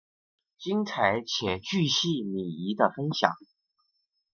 精彩且钜细靡遗的分享